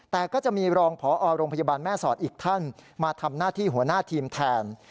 แต่ก็จะมีรองพอโรงพยาบาลแม่สอดอีกท่านมาทำหน้าที่หัวหน้าทีมแทน